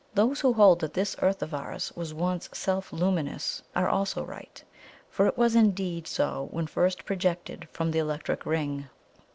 Those who hold that this Earth of ours was once self luminous are also right; for it was indeed so when first projected from the Electric Ring.